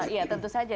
iya tentu saja